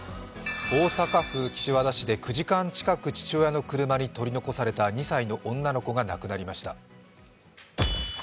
大阪府岸和田市で９時間近く父親の車に取り残された２歳の女の子が亡くなりました。